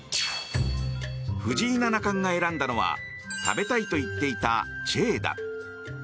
藤井七冠が選んだのは食べたいと言っていたチェーだ。